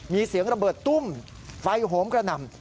มีเสียงระเบิดตุ้มไฟโหมกระหน่ำ